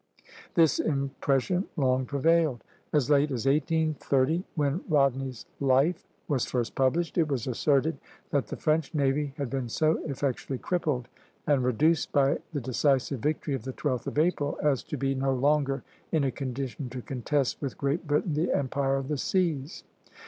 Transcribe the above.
This impression long prevailed. As late as 1830, when Rodney's Life was first published, it was asserted "that the French navy had been so effectually crippled and reduced by the decisive victory of the 12th of April, as to be no longer in a condition to contest with Great Britain the empire of the seas."